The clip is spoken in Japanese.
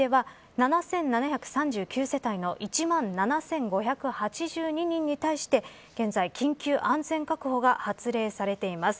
そして山口県山口市では７７３９世帯の１万７５８２人に対して現在、緊急安全確保が発令されています。